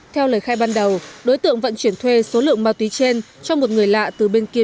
theo lời khai ban đầu đối tượng vận chuyển thuê số lượng ma túy trên cho một người lạ từ bên kia